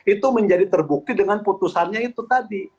itu menjadi terbukti dengan putusannya itu tadi